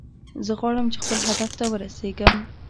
زه غواړم چې خپل هدف ته ورسیږم